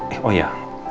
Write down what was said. eh oh ya